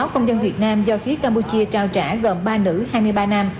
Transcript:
hai mươi sáu công dân việt nam do phía campuchia trao trả gồm ba nữ hai mươi ba nam